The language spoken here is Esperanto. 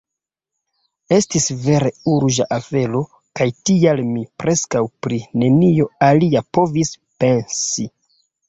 Estis vere urĝa afero, kaj tial mi preskaŭ pri nenio alia povis pensi.